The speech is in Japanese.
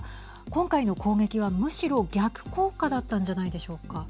今回の攻撃は、むしろ逆効果だったんじゃないでしょうか。